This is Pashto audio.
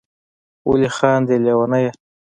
ولي خاندی ليونيه